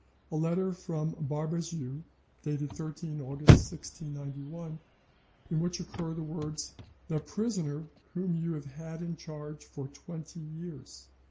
a letter from Barbezieux, dated 13th August 1691, in which occur the words, "THE PRISONER WHOM YOU HAVE HAD IN CHARGE FOR TWENTY YEARS."